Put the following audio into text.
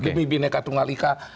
demi bhinneka tunggal ika